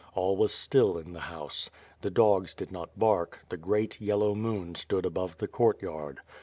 All was still in the house. The dogs did not bark, the great, yellow moon stood above the courtyard.